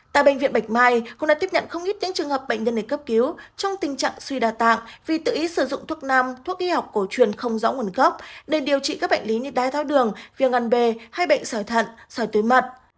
tại bệnh viện bạch mai cũng đã tiếp nhận không ít những trường hợp bệnh nhân này cấp cứu trong tình trạng suy đa tạng vì tự ý sử dụng thuốc nam thuốc y học cổ truyền không rõ nguồn gốc để điều trị các bệnh lý như đái tháo đường viêm ăn b hay bệnh sỏi thận sỏi tuyến mật